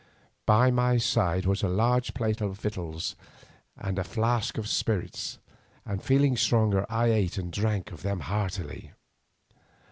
By my side was a large plate of victuals and a flask of spirits, and feeling stronger I ate and drank of them heartily.